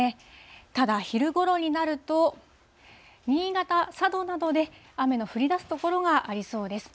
ただ、昼ごろになると、新潟、佐渡などで雨の降りだす所がありそうです。